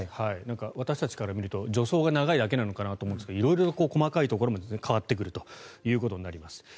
私たちから見ると助走が長いだけなのかなと思いますが色々と細かいところも変わってくるということになります。